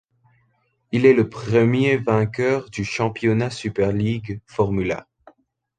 Il est le premier vainqueur du championnat Superleague Formula.